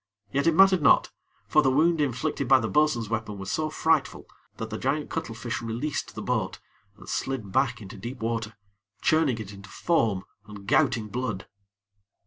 Yet it mattered not; for the wound inflicted by the bo'sun's weapon was so frightful, that the giant cuttlefish released the boat, and slid back into deep water, churning it into foam, and gouting blood.